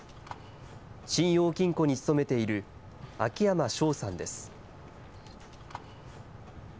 信用金庫に勤めている秋山翔さんです。